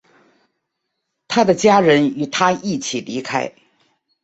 他的家人与他一起离开。